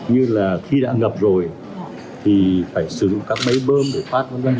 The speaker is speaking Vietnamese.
như là khi đã ngập rồi thì phải sử dụng các máy bơm để phát vấn đoan